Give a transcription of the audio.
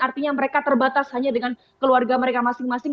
artinya mereka terbatas hanya dengan keluarga mereka masing masing